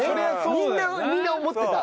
みんなみんな思ってた。